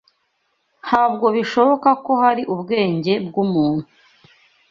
Ntabwo bishoboka ko hari ubwenge bw’umuntu